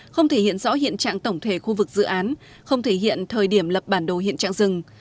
không thể hiện rõ hiện trạng tổng thể khu vực dự án không thể hiện thời điểm lập bản đồ hiện trạng rừng